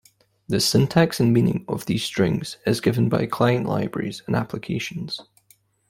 The syntax and meaning of these strings is given by client libraries and applications.